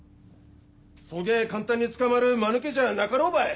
そげぇ簡単に捕まる間抜けじゃなかろうばい。